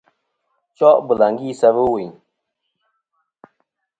Cho' bɨlàŋgi sɨ a va ɨwùyn.